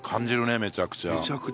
めちゃくちゃ。